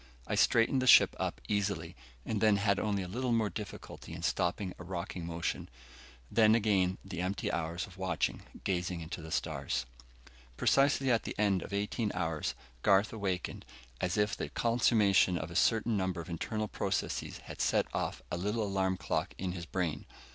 I straightened the ship up easily, and had only a little more difficulty in stopping a rocking motion. Then again the empty hours of watching, gazing into the stars. Precisely at the end of eighteen hours, Garth awakened, as if the consummation of a certain number of internal processes had set off a little alarm clock in his brain.